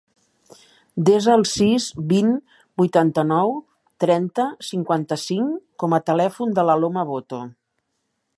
Desa el sis, vint, vuitanta-nou, trenta, cinquanta-cinc com a telèfon de l'Aloma Boto.